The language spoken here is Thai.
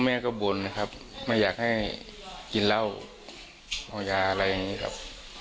แม่ก็บ่นนะครับไม่อยากให้กินเหล้าเมายาอะไรอย่างนี้ครับ